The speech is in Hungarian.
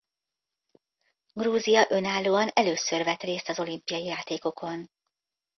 Grúzia önállóan először vett részt az olimpiai játékokon.